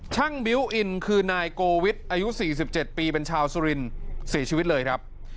บิวต์อินคือนายโกวิทอายุ๔๗ปีเป็นชาวสุรินทร์เสียชีวิตเลยครับ